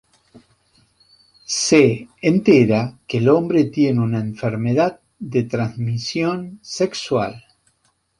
Se entera que el hombre tiene una enfermedad de transmisión sexual.